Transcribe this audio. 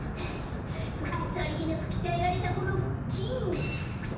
そしてさりげなくきたえられたこのふっきん。